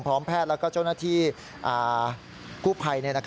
พร้อมแพทย์และเจ้าหน้าที่กู้ไพร